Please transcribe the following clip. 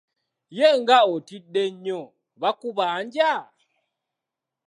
Ye nga otidde nnyo, bakubanja?